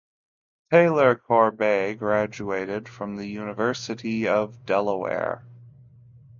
Taylor-Corbett graduated from the University of Delaware.